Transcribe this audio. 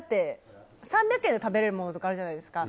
３００円で食べられるものとかあるじゃないですか。